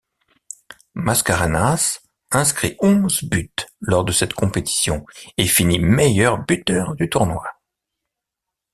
Mascarenhas inscrit onze buts lors de cette compétition et finit meilleur buteur du tournoi.